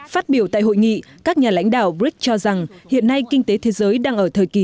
phát biểu tại hội nghị các nhà lãnh đạo brics cho rằng hiện nay kinh tế thế giới đang ở thời kỳ